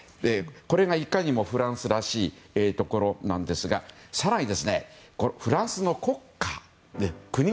これがいかにもフランスらしいところですが更に、フランスの国歌です。